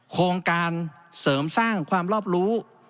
โครงการเสริมสร้างความรอบรู้